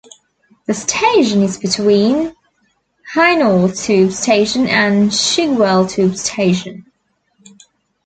The station is between Hainault tube station and Chigwell tube station.